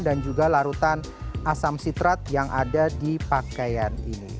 dan juga larutan asam sitrat yang ada di pakaian ini